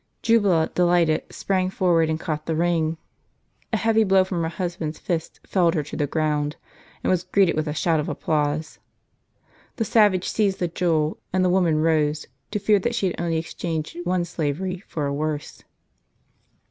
Jubala, delighted, sprang forward and caught the ring. A heavy blow from her husband's fist felled her to the ground, and was greeted with a shout of applause. The savage seized the jewel; and the woman rose, to fear that she had only exchanged one slavery for a worse.